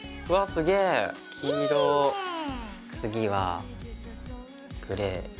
次はグレー。